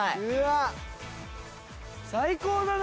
最高だな！